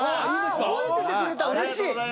覚えててくれたうれしい。